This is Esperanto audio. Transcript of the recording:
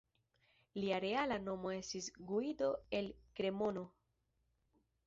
Lia reala nomo estis Guido el Kremono.